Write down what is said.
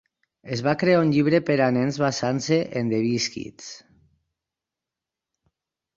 Es va crear un llibre per a nens basant-se en "The Biskitts".